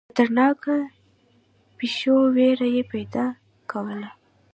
خطرناکو پیښو وېره یې پیدا کوله.